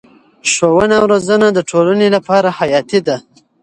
ښوونه او روزنه د ټولنې لپاره حیاتي ده.